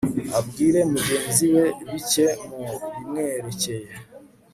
abwire mu genzi we bike mu bimwerekeye